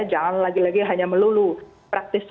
jangan lagi lagi hanya melulu praktisnya